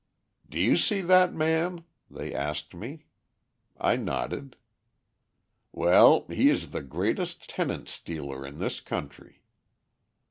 "Do you see that man?" they asked me. I nodded. "Well, he is the greatest tenant stealer in this country."